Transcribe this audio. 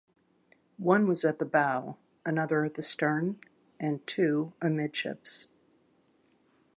One was at the bow, another at the stern, and two amidships.